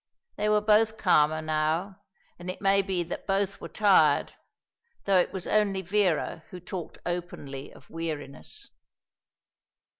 They were both calmer now, and it may be that both were tired, though it was only Vera who talked openly of weariness.